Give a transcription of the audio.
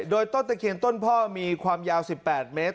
โดยต้นตะเคียนต้นพ่อมีความยาว๑๘เมตร